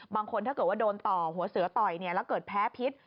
ถ้าเกิดว่าโดนต่อหัวเสือต่อยแล้วเกิดแพ้พิษ